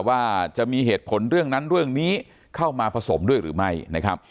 ว่าจะมีเหตุผลเรื่องนั้นเรื่องนี้เข้ามาผสมด้วยหรือไม่นะครับ